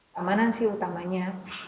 keamanan sih utamanya